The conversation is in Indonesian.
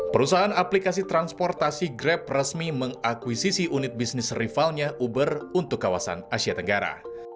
perusahaan aplikasi transportasi grab resmi mengakuisisi unit bisnis rivalnya uber untuk kawasan asia tenggara